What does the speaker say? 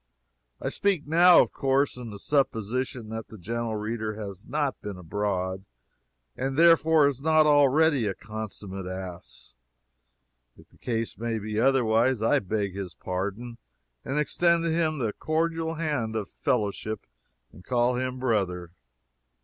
I speak now, of course, in the supposition that the gentle reader has not been abroad, and therefore is not already a consummate ass. If the case be otherwise, I beg his pardon and extend to him the cordial hand of fellowship and call him brother.